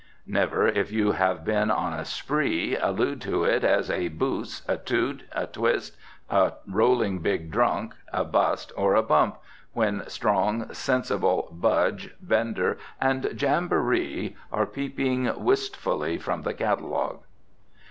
Never, if you have been on a spree, allude to it as a "boose," a "toot," a "twist," a "rolling big drunk," a "bust," or a "bump," when strong, sensible "budge," "bender" and "jamboree" are peeping wistfully from the catalogue.